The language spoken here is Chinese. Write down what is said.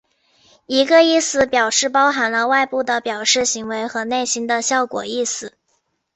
一个意思表示包含了外部的表示行为和内心的效果意思。